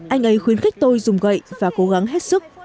anh ấy khuyến khích tôi dùng gậy và cố gắng hết sức